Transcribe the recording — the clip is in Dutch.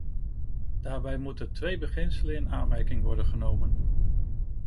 Daarbij moeten twee beginselen in aanmerking worden genomen.